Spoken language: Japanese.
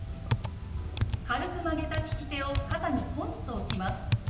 軽く曲げた利き手を肩にポンと置きます。